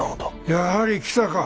やはり来たか。